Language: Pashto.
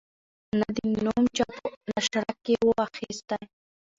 نه دي نوم چا په نشره کی وو اخیستی